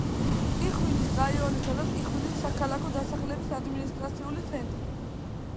ტიხვინის რაიონისა და ტიხვინის საქალაქო დასახლების ადმინისტრაციული ცენტრი.